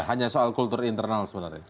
hanya soal kultur internal sebenarnya